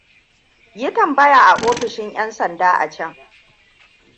Yi tambaya a ofishin yan sanda a can.